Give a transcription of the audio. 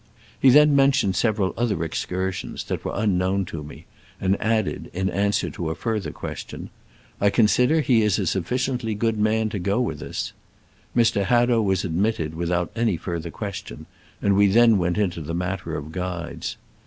He then mentioned several other excursions, that were un known to me, and added, in answer to a further question, '* I consider he is a suf ficiently good man to go with us." Mr. Hadow was admitted without any further question, and we then went into the mat ter of guides.